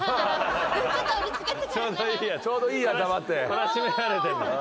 懲らしめられてる。